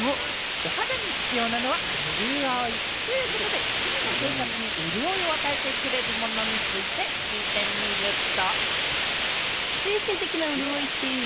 お肌に必要なのは潤いということで、日々の生活に潤いを与えてくれるものについて聞いてみると。